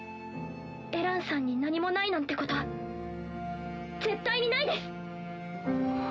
エランさんに何もないなんてこと絶対にないです！